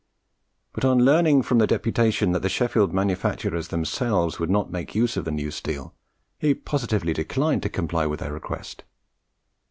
But on learning from the deputation that the Sheffield manufacturers themselves would not make use of the new steel, he positively declined to comply with their request.